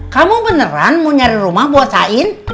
kamu beneran mau nyari rumah buat sain